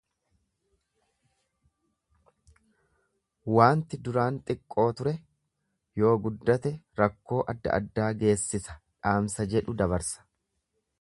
Wanti duraan xiqqoo ture yoo guddate rakkoo adda addaa geessisa dhaamsa jedhu dabarsa.